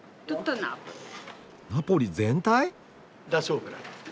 ナポリ全体！？